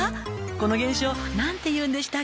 「この現象何ていうんでしたっけ？」